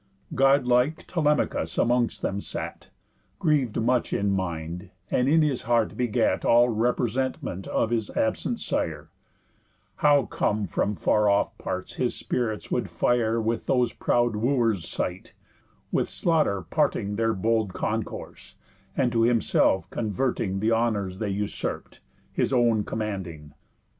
God like Telemachus amongst them sat, Griev'd much in mind; and in his heart begat All representment of his absent sire, How, come from far off parts, his spirits would fire With those proud wooers' sight, with slaughter parting Their bold concourse, and to himself converting The honours they usurp'd, his own commanding.